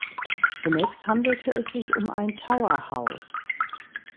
Zunächst handelte es sich um ein Tower House.